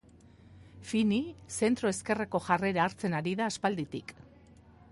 Fini zentro-ezkerreko jarrera hartzen ari da aspalditik.